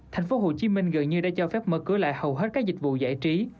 thành phố hồ chí minh gần như đã cho phép mở cửa lại hầu hết các dịch vụ giải trí